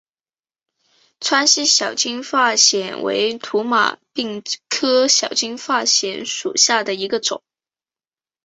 川西小金发藓为土马鬃科小金发藓属下的一个种。